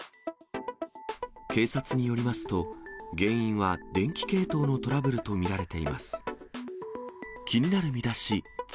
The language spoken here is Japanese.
警察によりますと、原因は電気系統のトラブルと見られています。